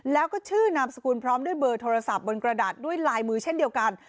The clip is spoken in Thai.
แล้วก็ชื่อนามสกุลพร้อมด้วยเบอร์โทรศัพท์บนกระดาษด้วยลายมือเช่นเดียวกัน